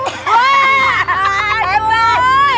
waduh hebat banget ini